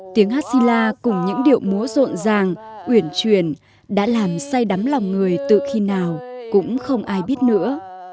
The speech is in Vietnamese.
tiếng hát silla cùng những điệu múa rộn ràng uyển truyền đã làm say đắm lòng người từ khi nào cũng không ai biết nữa